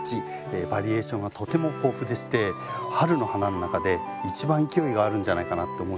バリエーションがとても豊富でして春の花の中で一番勢いがあるんじゃないかなって思うんですよね。